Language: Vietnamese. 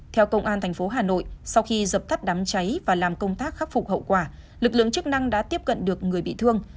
theo công an tp hà nội sau khi dập tắt đám cháy và làm công tác khắc phục hậu quả lực lượng chức năng đã tiếp cận được người bị thương